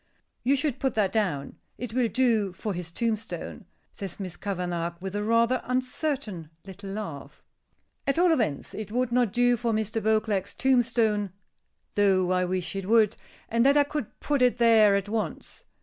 "You should put that down. It will do for his tombstone," says Miss Kavanagh, with a rather uncertain little laugh. "At all events, it would not do for Mr. Beauclerk's tombstone though I wish it would and that I could put it there at once."